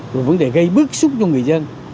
rồi vấn đề gây bức xúc cho người dân